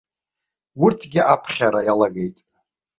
Урҭгьы аԥхьара иалагеит.